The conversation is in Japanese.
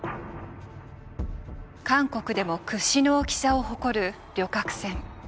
韓国でも屈指の大きさを誇る旅客船。